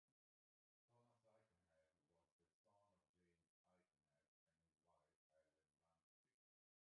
Thomas Aikenhead was the son of James Aikenhead and his wife Helen Ramsey.